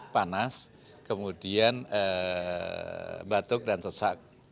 panas kemudian batuk dan sesak